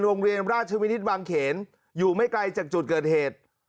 โรงเรียนราชวินิตบางเขนอยู่ไม่ไกลจากจุดเกิดเหตุ